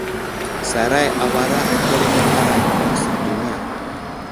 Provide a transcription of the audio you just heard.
Saray awara ateremeke aray aməsər duniya.